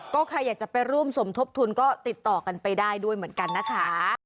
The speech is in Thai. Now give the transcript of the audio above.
ก็ใครอยากจะไปร่วมสมทบทุนก็ติดต่อกันไปได้ด้วยเหมือนกันนะคะ